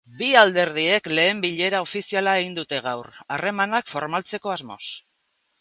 Bi alderdiek lehen bilera ofiziala egin dute gaur, harremanak formaltzeko asmoz.